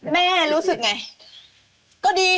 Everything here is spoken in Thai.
แม่รู้สึกไง